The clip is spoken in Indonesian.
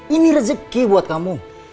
ini rezeki buat kamu